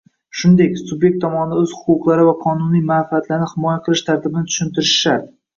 shuningdek subyekt tomonidan o‘z huquqlari va qonuniy manfaatlarini himoya qilish tartibini tushuntirishi shart.